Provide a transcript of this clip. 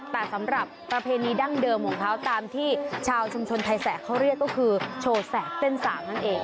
แต่สำหรับประเพณีดั้งเดิมของเขาตามที่ชาวชุมชนไทยแสกเขาเรียกก็คือโชว์แสกเต้นสากนั่นเอง